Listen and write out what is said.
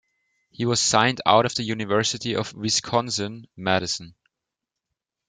He was signed out of the University of Wisconsin-Madison.